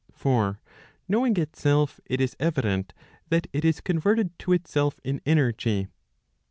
For knowing itself, it is evident that it is converted to itself in energy.